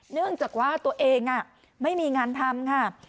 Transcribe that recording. เนื่องจากว่าตัวเองไม่มีงานทำค่ะ